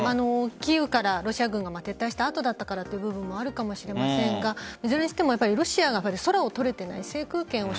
キーウからロシア軍が撤退した後だからというのもあるかもしれませんがいずれにしてもロシアが空を取れていない制空権を